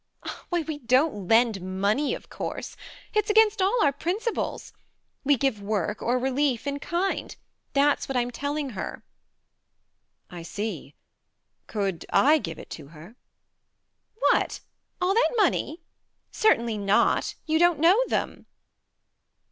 "Why, we don't lend money, of course. It's against all our principles. We give work, or relief in kind that's what I'm telling her." " I see. Could I give it to her ?"" What all that money ? Certainly not. You don't know them